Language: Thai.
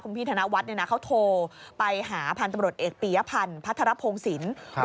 คุณพี่ทานะวัชฎิ์เนี่ยนะเขาโทรไปหาพันธ์ตำรวจเอกปียะพันธ์พัฒนะพงศิลป์